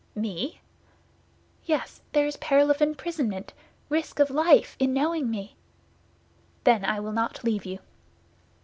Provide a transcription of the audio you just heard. "Me?" "Yes; there is peril of imprisonment, risk of life in knowing me." "Then I will not leave you."